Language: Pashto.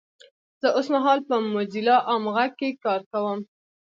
زه اوسمهال په موځیلا عام غږ کې کار کوم 😊!